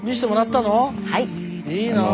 いいなぁ。